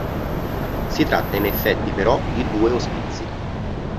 Si tratta in effetti però di due ospizi.